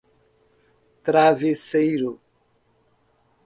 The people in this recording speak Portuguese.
Travesseiro